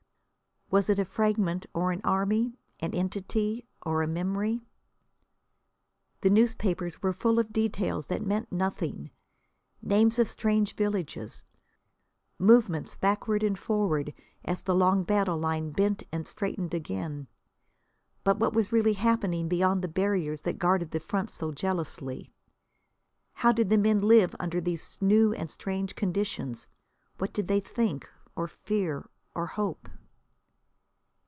Was it a fragment or an army, an entity or a memory? The newspapers were full of details that meant nothing: names of strange villages, movements backward and forward as the long battle line bent and straightened again. But what was really happening beyond the barriers that guarded the front so jealously? How did the men live under these new and strange conditions? What did they think? Or fear? Or hope?